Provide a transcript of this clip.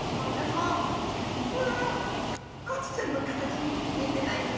うわあコチちゃんの形に似てないですか？